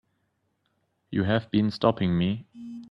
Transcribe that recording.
You have been stopping me.